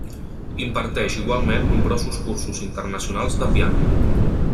Imparteix igualment nombrosos cursos internacionals de piano.